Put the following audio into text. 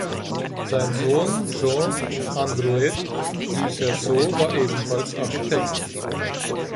Sein Sohn Jean Androuet du Cerceau war ebenfalls Architekt.